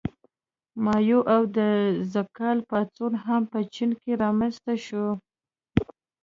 مائو او د ز کال پاڅون هم په چین کې رامنځته شو.